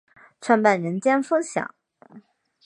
创办人将分享